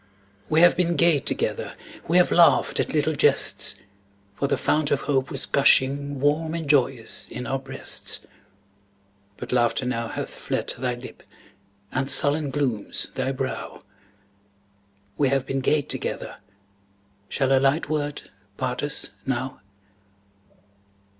We have been gay together; We have laughed at little jests; For the fount of hope was gushing Warm and joyous in our breasts, But laughter now hath fled thy lip, And sullen glooms thy brow; We have been gay together, Shall a light word part us now?